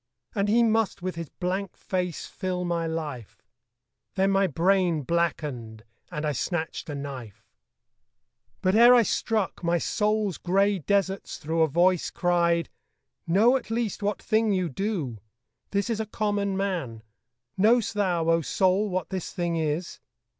And he must with his blank face fill my life Then my brain blackened; and I snatched a knife. But ere I struck, my soul's grey deserts through A voice cried, 'Know at least what thing you do.' 'This is a common man: knowest thou, O soul, What this thing is?